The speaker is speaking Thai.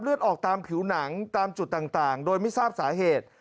ออกตามผิวหนังตามจุดต่างโดยไม่ทราบสาเหตุ